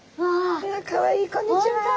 かわいいこんにちは。